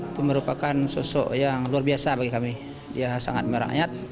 itu merupakan sosok yang luar biasa bagi kami dia sangat merakyat